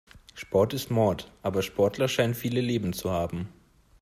Sport ist Mord, aber Sportler scheinen viele Leben zu haben.